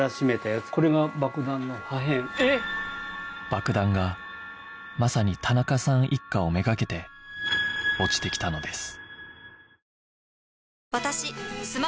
爆弾がまさに田中さん一家を目がけて落ちてきたのです